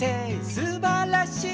「すばらしい！」